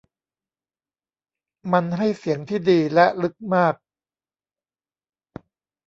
มันให้เสียงที่ดีและลึกมาก